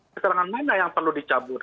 keterangan mana yang perlu dicabut